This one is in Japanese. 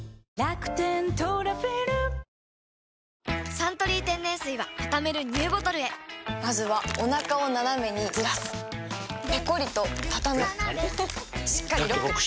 「サントリー天然水」はたためるＮＥＷボトルへまずはおなかをナナメにずらすペコリ！とたたむしっかりロック！